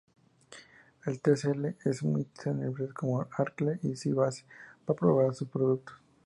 Tcl es muy utilizado por empresas como Oracle y Sybase para probar sus productos.